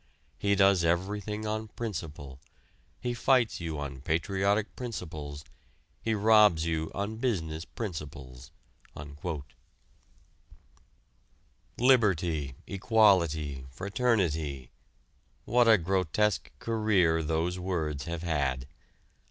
He does everything on principle. He fights you on patriotic principles; he robs you on business principles...." Liberty, equality, fraternity what a grotesque career those words have had.